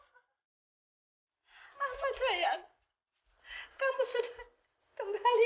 kamu sudah kembali kenapa dalam keadaan seperti ini